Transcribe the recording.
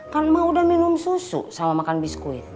kan mau dan minum susu sama makan biskuit